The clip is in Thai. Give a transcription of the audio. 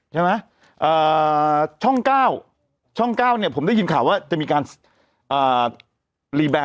ใช่ไหมอ่าช่องเก้าช่องเก้าเนี้ยผมได้ยินข่าวว่าจะมีการอ่า